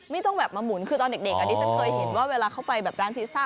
ไม่ต้องแบบมาหมุนคือตอนเด็กที่ฉันเคยเห็นว่าเวลาเขาไปแบบร้านพิซซ่า